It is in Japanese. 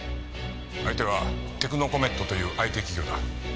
相手はテクノコメットというＩＴ企業だ。